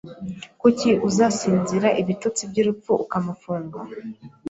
Kuki uzasinzira ibitotsi byurupfu ukamufunga